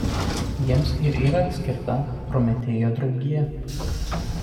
Jiems ir yra skirta "Prometėjo draugija".